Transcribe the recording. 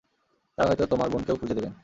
তারা হয়ত তোমার বোনকেও খুঁজে দেবেন।